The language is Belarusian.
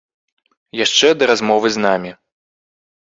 Яшчэ да размовы з намі.